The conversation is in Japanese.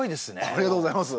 ありがとうございます。